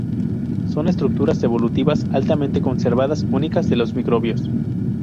Son estructuras evolutivas altamente conservadas únicas de los microbios.